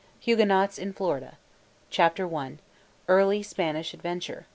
HUGUENOTS IN FLORIDA. CHAPTER I. 1512 1561. EARLY SPANISH ADVENTURE.